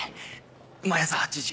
毎朝８時？